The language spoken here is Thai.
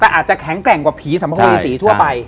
แต่อาจจะแข็งแกร่งกว่าผีสัมภเวษีทั่วไป